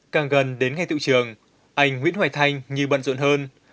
càng gần đến ngày tự trường anh nguyễn hoài thanh như bận ruộn hơn